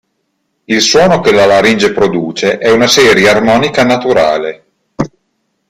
Il suono che la laringe produce è una serie armonica naturale.